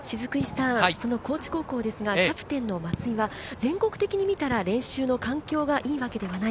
高知高校ですがキャプテンの松井は全国的に見たら練習の環境はいいわけではない。